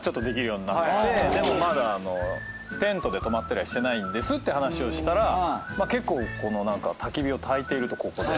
でもまだテントで泊まったりはしてないんですって話をしたら結構たき火をたいているとここで。